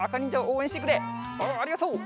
おっありがとう。